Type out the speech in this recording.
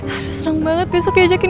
aduh sereng banget besok diajakin